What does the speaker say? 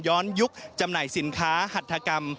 ย้อนยุคจำหน่ายสินค้าหัตถกรรม